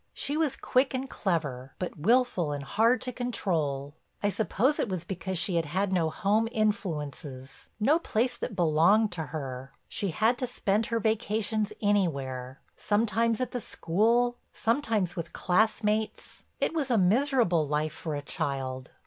She was quick and clever, but willful and hard to control. I suppose it was because she had had no home influences, no place that belonged to her. She had to spend her vacations anywhere—sometimes at the school, sometimes with classmates. It was a miserable life for a child.